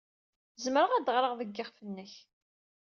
Zemreɣ ad ɣreɣ deg yiɣef-nnek.